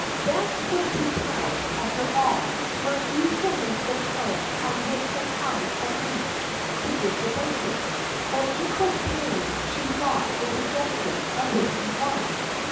Bess was too proud, after all, to refuse to meet the terms on which her chum agreed to give the banquet; but it was plain she thought the suggestion a risky one.